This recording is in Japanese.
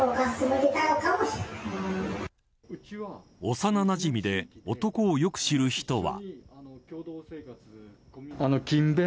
幼なじみで男をよく知る人は。